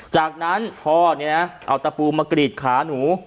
จากนั้นพ่อเนี่ยนะเอาตะปูมากรีดขาหนู